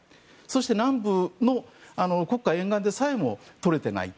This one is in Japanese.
そして南部の黒海沿岸でさえも取れていない。